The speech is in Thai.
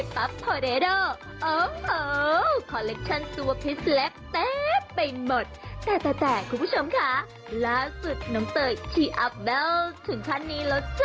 โปรดติดตามต่อไป